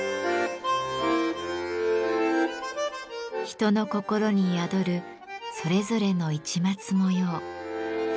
人の心に宿るそれぞれの市松模様。